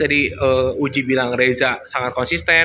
jadi uji bilang reza sangat konsisten